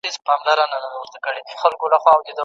ماشوم به له چاپېريال زده کړه وکړي او تعليم به زيات سي.